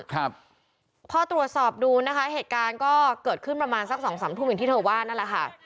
ครับพอตรวจสอบดูนะคะเหตุการณ์ก็เกิดขึ้นประมาณสักสองสามทุ่มอย่างที่เธอว่านั่นแหละค่ะ